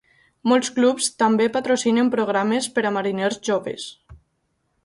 Molts clubs també patrocinen programes per a mariners joves.